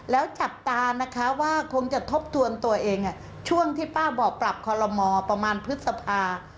แล้วจับตานะคะว่าคงจะทบทวนตัวเองช่วงที่ป้าบอกปรับคอลโลมอประมาณพฤษภา